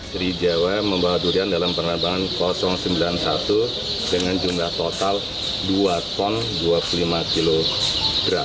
sri jw membawa durian dalam penerbangan sembilan puluh satu dengan jumlah total dua ton dua puluh lima kg